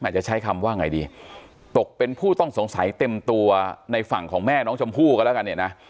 จะใช้คำว่าไงดีตกเป็นผู้ต้องสงสัยเต็มตัวในฝั่งของแม่น้องชมพู่กันแล้วกันเนี่ยนะ